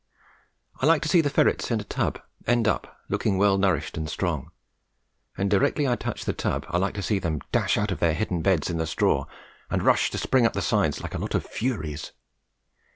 I like to see the ferrets in a tub, end up, looking well nourished and strong; and directly I touch the tub I like to see them dash out of their hidden beds in the straw and rush to spring up the sides like a lot of furies.